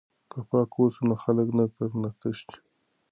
که پاک اوسو نو خلک نه درنه تښتي.